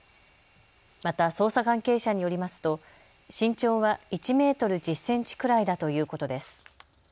また捜査関係者によりますと身長は１メートル１０センチくらいだということです。